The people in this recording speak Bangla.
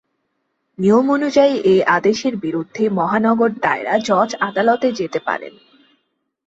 নিয়ম অনুযায়ী এ আদেশের বিরুদ্ধে মহানগর দায়রা জজ আদালতে যেতে পারেন।